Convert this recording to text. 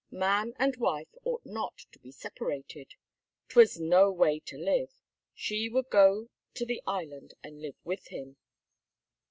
Man and wife ought not to be separated; 'twas no way to live; she would go to the island and live with him.